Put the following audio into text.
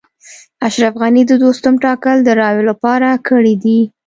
اشرف غني د دوستم ټاکل د رایو لپاره کړي دي